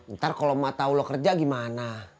ntar kalau emak tau lo kerja gimana